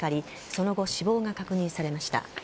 その後、死亡が確認されました。